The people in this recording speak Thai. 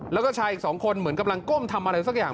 แล้วก็ชายอีกสองคนเหมือนกำลังก้มทำอะไรสักอย่าง